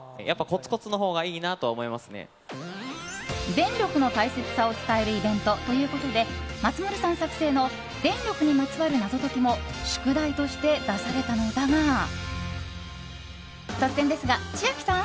電力の大切さを伝えるイベントということで松丸さん作成の電力にまつわる謎解きも宿題として出されたのだが突然ですが、千秋さん